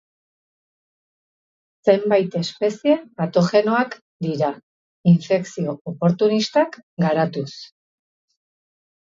Zenbait espezie patogenoak dira, infekzio oportunistak garatuz.